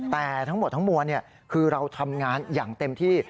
แต่ทั้งหมดทั้งมวลคือเราทำงานอย่างเต็มที่